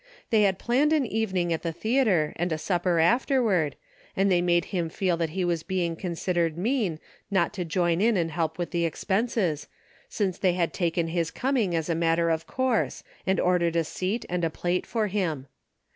They had planned an even ing at the theatre and a supper afterward, and they made him feel that he was being con sidered mean not to join in and help with the expenses, since they had taken his coming as a matter of course, and ordered a seat and a plate for him.